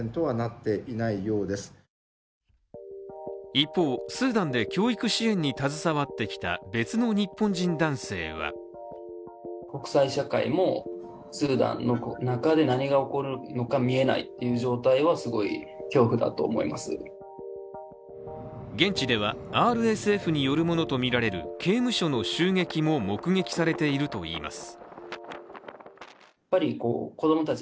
一方、スーダンで教育支援に携わってきた別の日本人男性は現地では、ＲＳＦによるものとみられる刑務所の襲撃も目撃されているといいます。